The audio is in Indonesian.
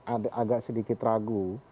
ada agak sedikit ragu